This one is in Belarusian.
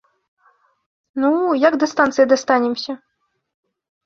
Ну, як да станцыі дастанемся?